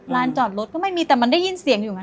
จอดรถก็ไม่มีแต่มันได้ยินเสียงอยู่ไหม